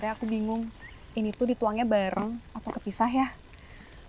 rasakan nossa cuaca boeang di new york di hari ini